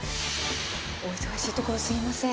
お忙しいところすいません。